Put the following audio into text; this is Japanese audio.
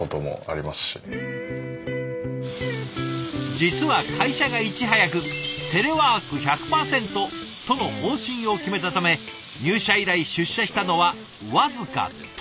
実は会社がいち早くテレワーク１００％との方針を決めたため入社以来出社したのは僅か１０日。